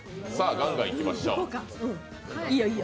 ガンガンいきましょう。